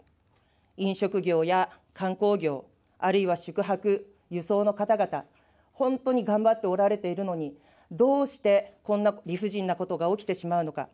飲食業や観光業、あるいは宿泊、輸送の方々、本当に頑張っておられているのに、どうしてこんな理不尽なことが起きてしまうのか。